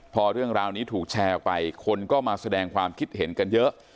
พอเรื่องราวนี้ถูกแชร์ออกไปคนก็มาแสดงความคิดเห็นกันเยอะ